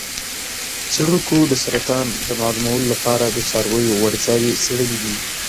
څیړونکو د سرطان د معلومولو لپاره د څارویو وړتیاوې څیړلې دي.